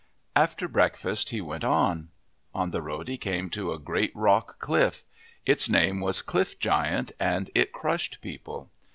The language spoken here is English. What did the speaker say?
After breakfast he went on. On the road he came to a great rock cliff. Its name was ClifF Giant and it crushed people.